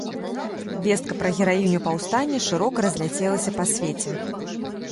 Вестка пра гераіню паўстання шырока разляцелася па свеце.